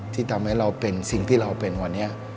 ที่ทำให้เราเป็นสิ่งที่เราเป็นวันนี้